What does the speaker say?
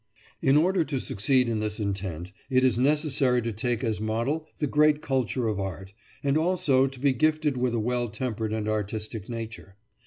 In order to succeed in this intent, it is necessary to take as model the great culture of art, and also to be gifted with a well tempered and artistic nature.